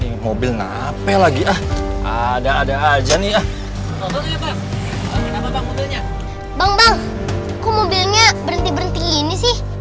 ibu aku yang mengurti